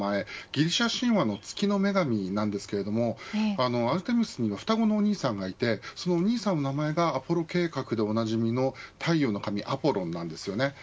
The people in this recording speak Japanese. ギリシャ神話の月の女神なんですけれどもアルテミスには双子のお兄さんがいてそのお兄さんの名前がアポロ計画でおなじみの太陽の神アポロンなんです。